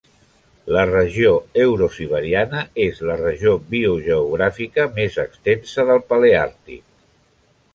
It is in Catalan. La regió eurosiberiana és la regió biogeogràfica més extensa del paleàrtic.